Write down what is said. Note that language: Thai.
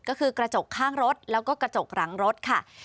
ก็คือกระจกข้างรถแล้วก็กระจกหลังรถค่ะ